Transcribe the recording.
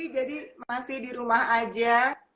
jadi masih di rumah aja